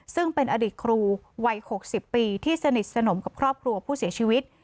ซึ่งเป็นอดีตครูวัย๖๐ปีที่สนิทสนมกับครอบครัวผู้เสียชีวิต